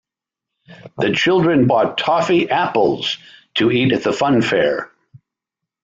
The children bought toffee apples to eat at the funfair